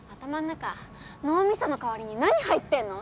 中脳みその代わりに何入ってんの？